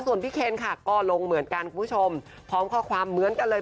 ส่วนพี่เคนค่ะก็ลงเหมือนกันคุณผู้ชมพร้อมข้อความเหมือนกันเลย